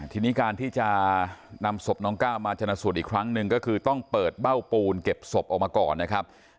ทีนี้การที่จะนำศพน้องก้าวมาชนะสูตรอีกครั้งหนึ่งก็คือต้องเปิดเบ้าปูนเก็บศพออกมาก่อนนะครับ